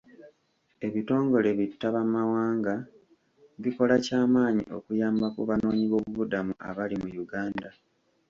Ebitongole bi ttabamawanga bikola ky'amaanyi okuyamba ku banoonyi b'obubudamu abali mu Uganda.